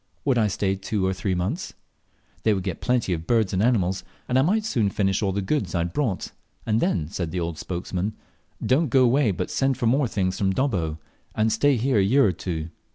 Would I stay two or three months? They would get me plenty of birds and animals, and I might soon finish all the goods I had brought, and then, said the old spokesman, "Don't go away, but send for more things from Dobbo, and stay here a year or two."